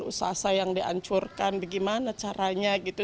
usaha saya yang dihancurkan bagaimana caranya gitu